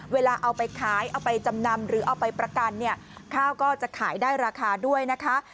เวลาเอาไปขายเอาไปจำนำหรือเอาไปประกันเนี่ยข้าวก็จะขายได้ราคาด้วยนะคะ